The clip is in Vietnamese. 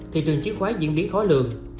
thị trường chứng khoán diễn biến khó lường